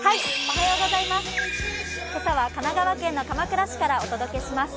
今朝は神奈川県の鎌倉市からお届けします。